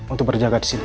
untuk berjaga disini